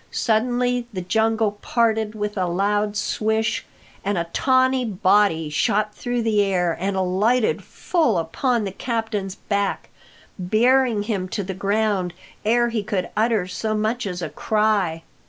Suddenly the jungle parted with a loud swish, and a tawny body shot through the air and alighted full upon the captain's back, bearing him to the ground ere he could utter so much as a cry.